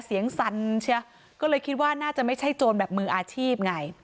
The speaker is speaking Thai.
สั่นเชียก็เลยคิดว่าน่าจะไม่ใช่โจรแบบมืออาชีพไง